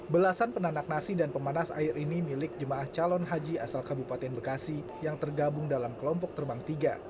belasan penanak nasi dan pemanas air ini milik jemaah calon haji asal kabupaten bekasi yang tergabung dalam kelompok terbang tiga